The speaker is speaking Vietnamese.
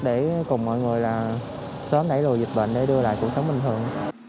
để cùng mọi người sớm đẩy lùi dịch bệnh để đưa lại cuộc sống bình thường